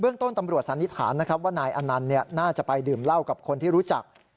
ต้นตำรวจสันนิษฐานนะครับว่านายอนันต์น่าจะไปดื่มเหล้ากับคนที่รู้จัก